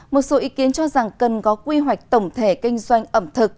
một số ý kiến cho rằng cần có quy hoạch tổng thể kinh doanh ẩm thực